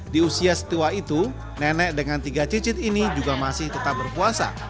di usia setiwa itu nenek dengan tiga cicit ini juga masih tetap berpuasa